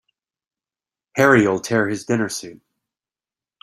Harry'll tear his dinner suit.